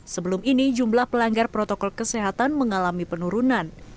sebelum ini jumlah pelanggar protokol kesehatan mengalami penurunan